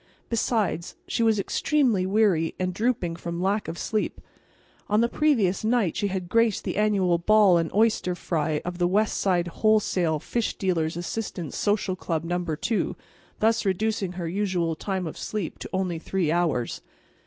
Besides, she was extremely weary and drooping from lack of sleep. On the previous night she had graced the annual ball and oyster fry of the West Side Wholesale Fish Dealers' Assistants' Social Club No. 2, thus reducing her usual time of sleep to only three hours.